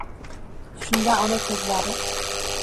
Shunda ona ko‘zlari